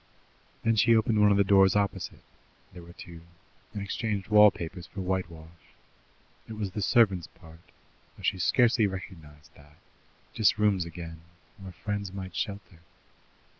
Then she opened one of the doors opposite there were two and exchanged wall papers for whitewash. It was the servants' part, though she scarcely realized that: just rooms again, where friends might shelter.